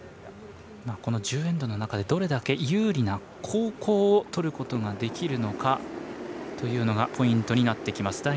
１０エンドの中でどれだけ有利な後攻をとることができるのかというのがポイントになってきます。